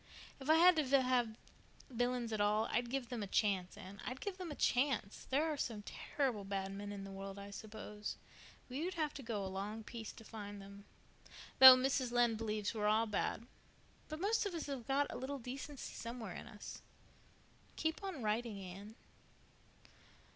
If I had to have villains at all, I'd give them a chance, Anne—I'd give them a chance. There are some terrible bad men in the world, I suppose, but you'd have to go a long piece to find them—though Mrs. Lynde believes we're all bad. But most of us have got a little decency somewhere in us. Keep on writing, Anne."